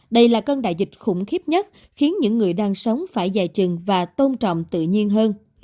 đây là cơn đại dịch khủng khiếp nhất khiến những người đang sống phải dài chừng và tôn trọng tự nhiên hơn